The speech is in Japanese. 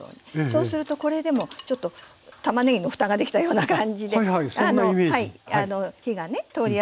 そうするとこれでもちょっとたまねぎの蓋ができたような感じで。